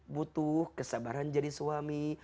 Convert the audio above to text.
butuh kesabaran jadi suami